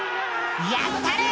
やったれ！